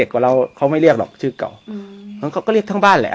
กว่าเราเขาไม่เรียกหรอกชื่อเก่าเหมือนเขาก็เรียกทั้งบ้านแหละ